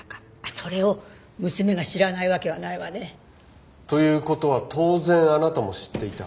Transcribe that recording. それを娘が知らないわけはないわね。という事は当然あなたも知っていた。